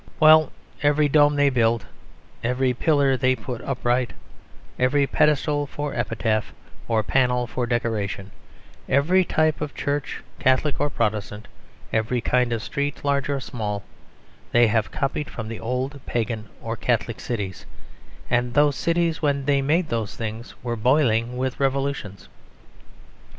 Well, every dome they build, every pillar they put upright, every pedestal for epitaph or panel for decoration, every type of church, Catholic or Protestant, every kind of street, large or small, they have copied from the old Pagan or Catholic cities; and those cities, when they made those things, were boiling with revolutions.